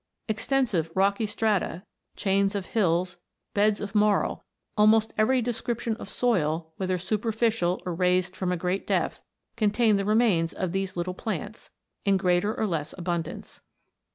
Extensive rocky strata, chains of hills, beds of marl, almost every description of soil, whether superficial or raised from a great depth, contain the remains of these little plants, in greater or less abundance.